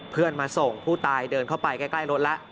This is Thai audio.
เพื่อนมาส่งผู้ตายเดินเข้าไปใกล้รถแล้ว